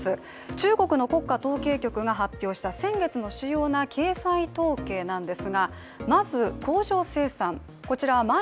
中国の国家統計局が発表した先月の主要な経済統計です。